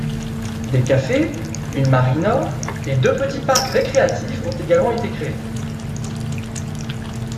Des cafés, une marina et deux petits parcs récréatifs ont également été créés.